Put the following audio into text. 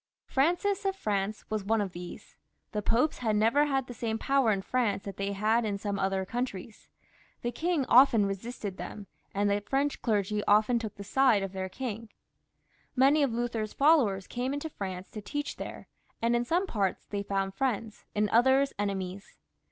Francis of France was one of these. The Popes had " never had/the same power yi France that they had in' some other countries. The king 'often resisted them, and . the French clergy ofbeil took the side of their king. Many of Luther's friends came into France to teach there, and in some parts they found friends, in others ^ enemies.